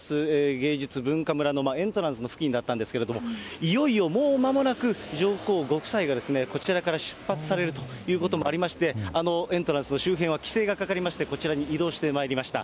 芸術文化村のエントランス付近だったんですけれども、いよいよ、もうまもなく、上皇ご夫妻がですね、こちらから出発されるということもありまして、あのエントランスの周辺は規制がかかりまして、こちらに移動してまいりました。